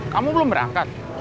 kamu belum berangkat